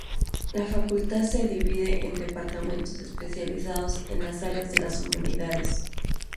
La Facultad se divide en departamentos especializados en las áreas de las Humanidades.